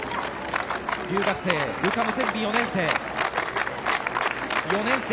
留学生、ルカ・ムセンビ４年生。